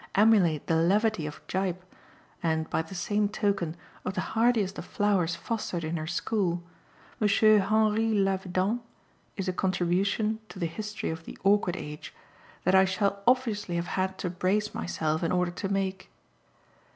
emulate the levity of Gyp and, by the same token, of that hardiest of flowers fostered in her school, M. Henri Lavedan, is a contribution to the history of "The Awkward Age" that I shall obviously have had to brace myself in order to make.